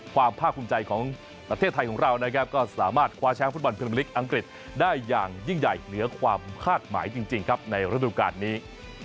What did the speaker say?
ภาคภูมิใจของประเทศไทยของเรานะครับก็สามารถคว้าแชมฟุตบอลพิมพลิกอังกฤษได้อย่างยิ่งใหญ่เหนือความคาดหมายจริงครับในฤดูการนี้